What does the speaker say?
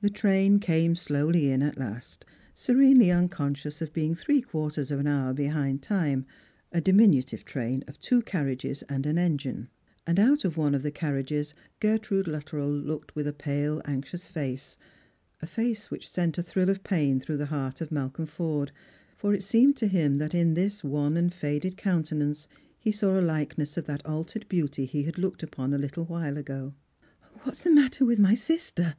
The train came slowly in at last, serenely unconscious of being three quarters of an hour behind time, a diminutive train of two carriages and an engine ; and out of one of the carriages Gertrude Luttrell looked with a pale anxious face, a face which Bent a thrill of pain through the heart of Malcolm Forde, for it eeenied to him that in this wan and faded countenance he saw a likeness of that altered beauty he had looked upon a little while ago. " What is the matter with my sister